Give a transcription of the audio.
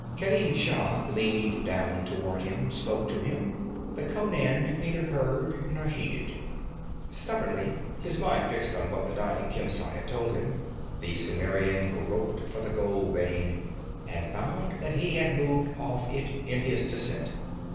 Kerim Shah leaned down toward him, spoke to him, but Conan neither heard nor heeded. Stubbornly, his mind fixed on what the dying Khemsa had told him, the Cimmerian groped for the gold vein, and found that he had moved off it in his descent.